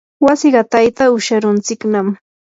wasi qatayta usharuntsiknam.